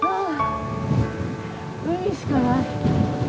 海しかない。